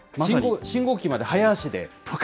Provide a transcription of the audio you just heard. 信号機まで早足でとか。